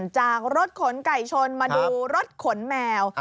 จากรถขนไก่ชนมาดูรถขนแมว